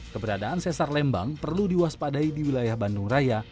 keberadaan sesar lembang perlu diwaspadai di wilayah bandung raya